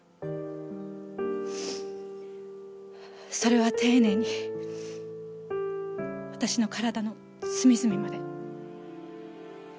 それは丁寧に私の体の隅々まで。